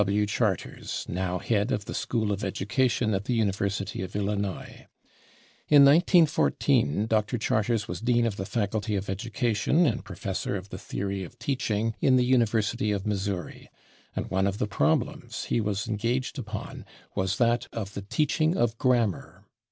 W. Charters, now head of the School of Education at the University of Illinois. In 1914 Dr. Charters was dean of the faculty of education and professor of the theory of teaching in the University of Missouri, and one of the problems he was engaged upon was that of the teaching of grammar.